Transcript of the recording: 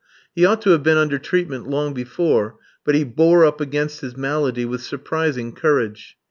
He ought to have been under treatment long before, but he bore up against his malady with surprising courage.